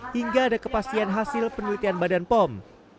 hingga ada kepastian hasil penelitian badan pom